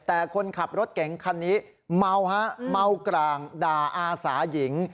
แต่คนขับรถเก๋งคันนี้เมาฮะเมากร่างด่าอาสาหญิง